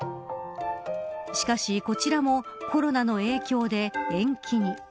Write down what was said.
しかし、こちらもコロナの影響で延期に。